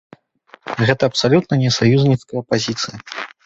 Гэта абсалютна не саюзніцкая пазіцыя.